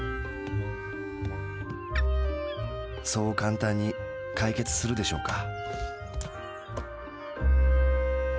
そう簡単に解決するでしょうか。